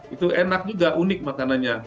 itu enak juga unik makanannya